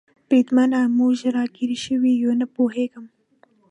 بریدمنه، موږ را ګیر شوي یو؟ نه پوهېږم.